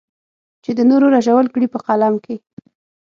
چې د نورو رژول کړې په قلم کې.